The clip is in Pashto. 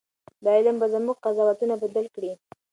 دا علم به زموږ قضاوتونه بدل کړي.